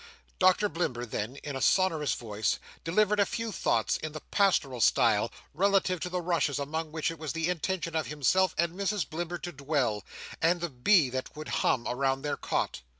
Doctor Blimber then, in a sonorous voice, delivered a few thoughts in the pastoral style, relative to the rushes among which it was the intention of himself and Mrs Blimber to dwell, and the bee that would hum around their cot.